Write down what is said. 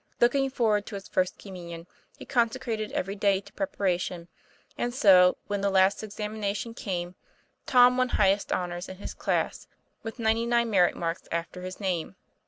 Looking forward to his First Communion, he conse crated every day to preparation; and so, when the last examination came, Tom won highest honors in his class, with ninety nine merit marks after his name.